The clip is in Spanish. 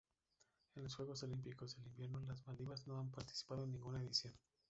En los Juegos Olímpicos de Invierno las Maldivas no ha participado en ninguna edición.